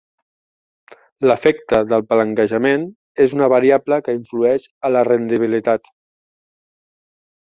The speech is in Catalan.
L'efecte del palanquejament és una variable que influeix a la rendibilitat.